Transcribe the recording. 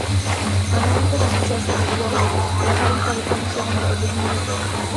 Al momento de asociarse con Wolf, la fábrica de paños era una pequeña industria.